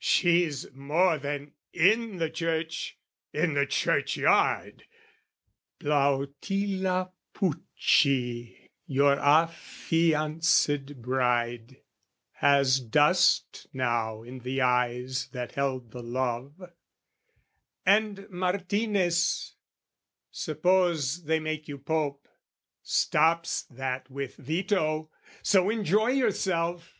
She's more than in the church, in the churchyard! Plautilla Pucci, your affianced bride, Has dust now in the eyes that held the love, And Martinez, suppose they make you Pope, Stops that with veto, so, enjoy yourself!